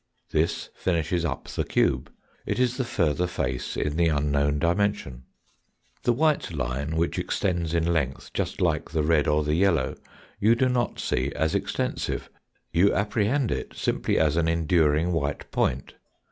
This finishes up the cube it is the further face in the unknown dimension. The white line, which extends in length just like the red or the yellow, you do not see as extensive ; you appre hend it simply as an enduring white point.